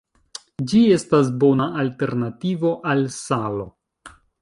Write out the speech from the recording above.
Ĝi estas bona alternativo al salo.